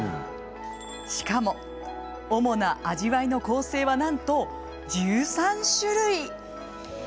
しかも主な味わいの構成はなんと１３種類。